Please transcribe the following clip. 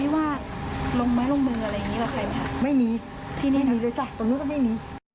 ไม่มีไม่มีเลยจ้ะตรงนี้ก็ไม่มี